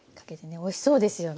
おいしそうですよね。